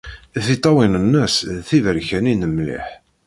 Tiṭṭawin-nnes d tiberkanin mliḥ.